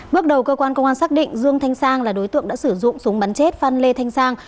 bước đầu cơ quan công an xác định dương thanh sang là đối tượng đã sử dụng súng bắn chết phan lê thanh sang